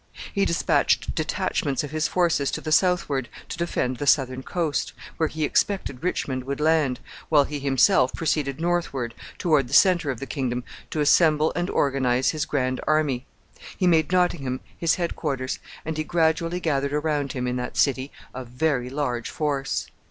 He dispatched detachments of his forces to the southward to defend the southern coast, where he expected Richmond would land, while he himself proceeded northward, toward the centre of the kingdom, to assemble and organize his grand army. He made Nottingham his head quarters, and he gradually gathered around him, in that city, a very large force.